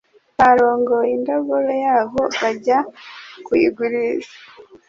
barongoye indogobe yabo bajya kuyigurisha.